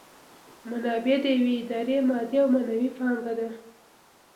منابع د یوې ادارې مادي او معنوي پانګه ده.